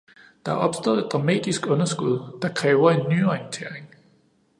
Der er opstået et dramatisk underskud, der kræver en nyorientering.